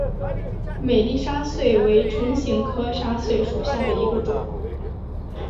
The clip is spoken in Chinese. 美丽沙穗为唇形科沙穗属下的一个种。